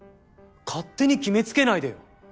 勝手に決めつけないでよ。